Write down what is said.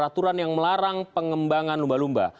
aturan yang melarang pengembangan lumba lumba